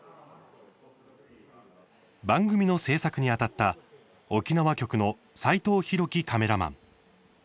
番組の制作にあたった沖縄局の斎藤大幹カメラマン。